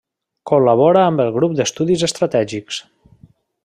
Col·labora amb el Grup d'Estudis Estratègics.